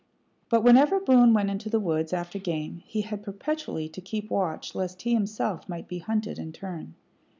But whenever Boone went into the woods after game, he had perpetually to keep watch lest he himself might be hunted in turn.